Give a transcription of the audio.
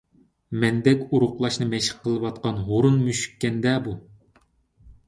مەندەك ئورۇقلاشنى مەشىق قىلىۋاتقان ھۇرۇن مۈشۈككەندە بۇ؟